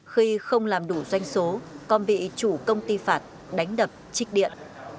khi không làm đủ doanh số con bị chủ công ty phạt đánh đập trích điện